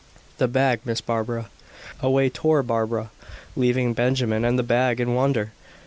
"The bag, Miss Barbara." Away tore Barbara, leaving Benjamin and the bag in wonder.